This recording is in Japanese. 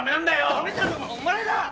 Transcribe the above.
ダメなのはお前だ！